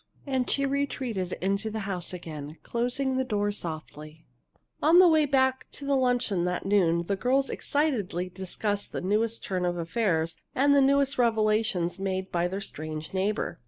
And she retreated into the house again, closing the door softly. On the way back to luncheon that noon the girls excitedly discussed the newest turn of affairs and the newest revelation made by their strange neighbor.